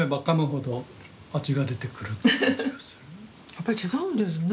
やっぱり違うんですね。